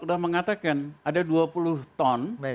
sudah mengatakan ada dua puluh ton